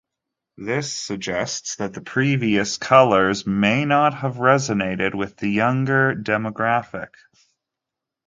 This suggests that the previous colors may not have resonated with the younger demographic.